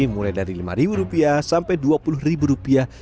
mulai dari lima rupiah sampai dua puluh ribu rupiah